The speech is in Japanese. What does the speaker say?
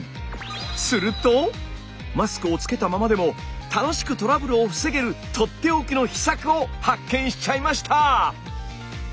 するとマスクをつけたままでも楽しくトラブルを防げるとっておきの秘策を発見しちゃいました！